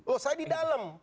oh saya di dalam